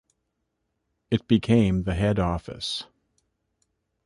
It became the Head Office.